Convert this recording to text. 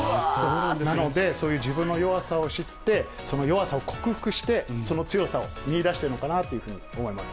なのでそういう自分の弱さを知って、その弱さを克服して、その強さを見いだしてるのかなというふうに思います。